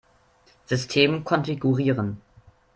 System konfigurieren.